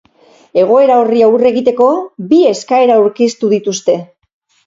Egoera horri aurre egiteko, bi eskaera aurkeztu dituzte.